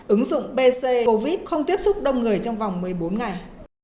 ứng dụng bc covid không tiếp xúc đông người trong vòng một mươi bốn ngày